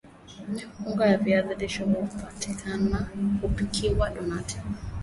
unga wa viazi lishe huweza kupikwa donati